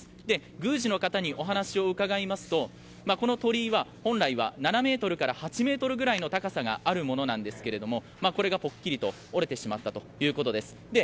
宮司の方にお話を伺いますとこの鳥居は本来は７ｍから８ｍの高さがあるものなんですけれどもこれがぽっきりと折れてしまったということです。